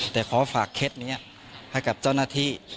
แต่ขอฝากเคล็ดนี้ให้กับเจ้าหน้าที่